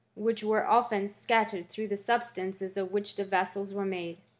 which were often scattered through the substance of which the vessels were made.